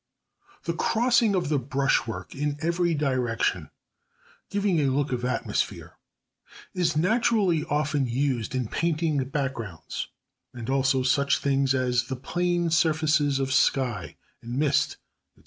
The crossing of the brush work in every direction, giving a look of atmosphere, is naturally often used in painting backgrounds and also such things as the plane surfaces of sky and mist, &c.